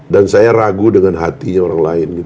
dan saya ragu dengan hatinya orang lain